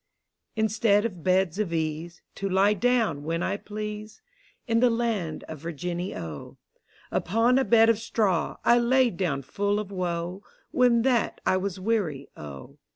Instead of Beds of Ease, To lye down when I please, In the land of Virginny, O: Upon a bed of straw, I lay down full of woe. When that I was wear>', O.